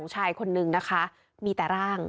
หนึ่งนะคะมีแต่ร่าง